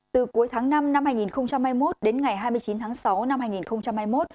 từ cuối tháng năm năm hai nghìn hai mươi một đến ngày hai mươi chín tháng sáu năm hai nghìn hai mươi một